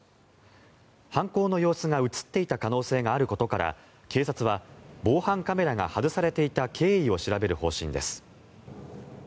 犯行の様子が映っていた可能性があることから警察は、防犯カメラが外されていた経緯を調べる方針です。